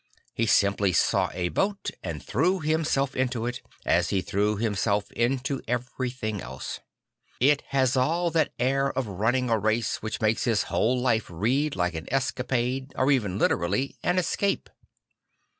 He simply saw a boat and threw himself into it, as he threw himself into everything else. It has all that air of running a race which makes his whole life read like an escapade or even literally an escape.